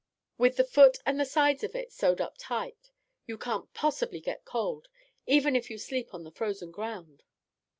With the foot and the sides of it sewed up tight, you can't possibly get cold, even if you sleep on the frozen ground."